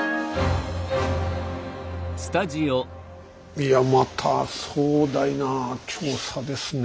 いやまた壮大な調査ですね